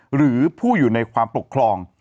หรือผู้อยู่ในความปกครอง